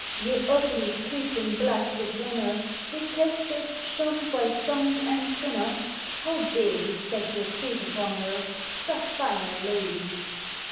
Ye ugly, creeping blastit wonner, Detested, shunned by saunt an' sinner, How dare you set your fit upon her, Sae fine a lady?